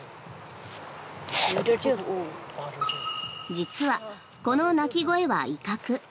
実は、この鳴き声は威嚇。